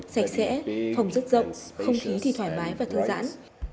sạch sẽ phòng rất rộng không khí thì thoải mái và thư giãn